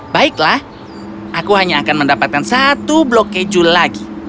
baiklah aku hanya akan mendapatkan satu blok keju lagi